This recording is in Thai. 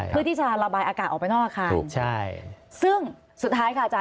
เพื่อที่จะระบายอากาศออกไปนอกอาคารถูกใช่ซึ่งสุดท้ายค่ะอาจาร